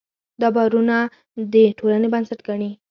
دا باورونه د ټولنې بنسټ ګڼي.